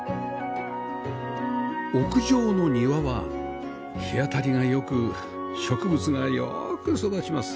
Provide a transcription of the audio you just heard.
屋上の庭は日当たりが良く植物がよく育ちます